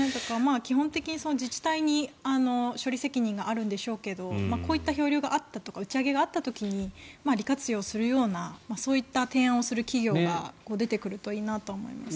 基本的に自治体に処理責任があるんでしょうけどこういった漂流があったとか打ち上げがあった時に利活用するようなそういった提案をする企業が出てくるといいなと思いますね。